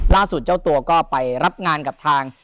ล่าสุดเจ้าตัวก็ไปรับงานกับทาง